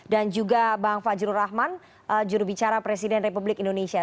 dan juga bang fadjro rahman jurubicara presiden republik indonesia